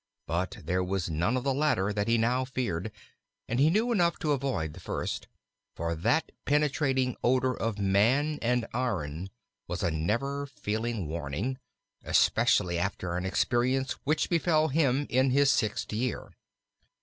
But there was none of the latter that he now feared and he knew enough to avoid the first, for that penetrating odor of man and iron was a never failing warning, especially after an experience which befell him in his sixth year.